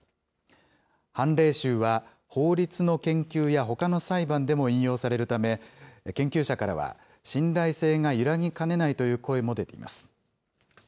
判例集は法律の研究やほかの裁判でも引用されるため、研究者からは、信頼性が揺らぎかねないという声も出ています。